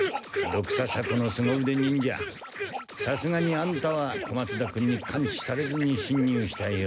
ドクササコのすご腕忍者さすがにあんたは小松田君に監視されずに侵入したようだな。